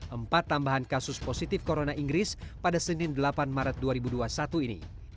empat tambahan kasus positif corona inggris pada senin delapan maret dua ribu dua puluh satu ini